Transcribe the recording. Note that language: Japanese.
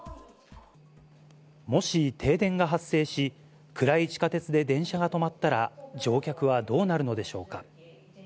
もし停電が発生し、暗い地下鉄で電車が止まったら、乗客はどうなるのでしょうか。